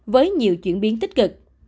với nhiều chuyển biến tích cực